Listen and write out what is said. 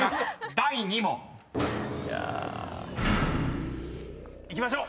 第２問］いきましょう！